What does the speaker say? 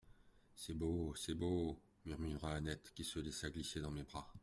«C'est beau ! c'est beau !» murmura Annette qui se laissa glisser dans mes bras.